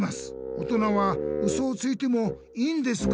おとなはウソをついてもいいんですか？」。